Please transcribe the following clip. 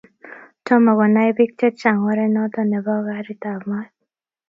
tomo konai biik chechang oret noto nebo karit ab maat